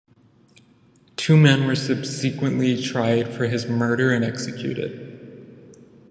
Two men were subsequently tried for his murder and executed.